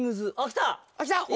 きた！